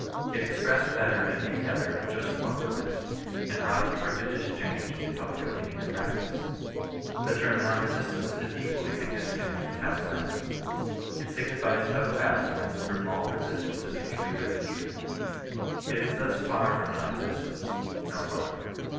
It expressed better than any other just what was meant, and wrought a prodigious change in public opinion and pTa.et\c.^. '^V^ term non^esistance is equally 8igni&caii\i ;)^nA.\a\\ssaastt\si. 4 CHRISTIAN N0N BESI8TANCE. It signiHes total abstinence from all resistance of injury with injury. It is thus far non resistance — ^no farther.